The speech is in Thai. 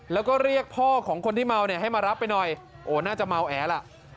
แล้วก็เรียกพ่อของคนที่เมาเนี่ยให้มารับไปหน่อยโอ้น่าจะเมาแอล่ะ